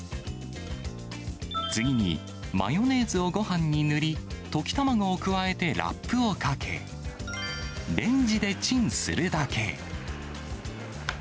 次に、マヨネーズをごはんに塗り、溶き卵を加えてラップをかけ、レンジでチンするだけ。